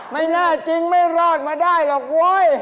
ไม่แน่จริงไม่รอดมาได้หรอกเว้ย